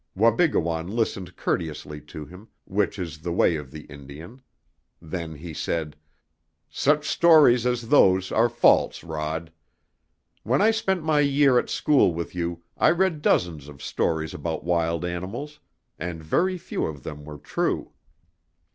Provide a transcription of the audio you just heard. Wabigoon listened courteously to him, which is the way of the Indian. Then he said: "Such stories as those are false, Rod. When I spent my year at school with you I read dozens of stories about wild animals, and very few of them were true.